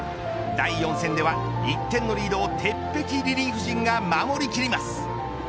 第４戦では１点のリードを鉄壁リリーフ陣が守りぬきます。